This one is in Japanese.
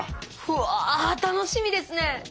うわ楽しみですね！